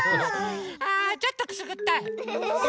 あちょっとくすぐったい。